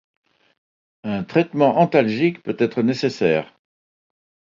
Un traitement antalgique peut être nécessaire.